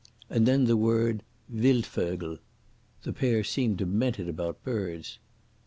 And then the word Wildvögel. The pair seemed demented about birds.